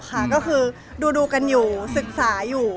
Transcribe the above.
ก็คือดูกันอยู่ศึกษาอยู่